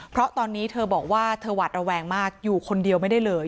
เพราะตอนนี้เธอบอกว่าเธอหวัดระแวงมากอยู่คนเดียวไม่ได้เลย